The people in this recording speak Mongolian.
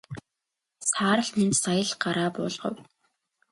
Саарал Минж сая л гараа буулгав.